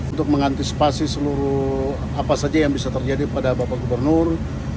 untuk mengantisipasi seluruh apa saja yang bisa terjadi pada bapak gubernur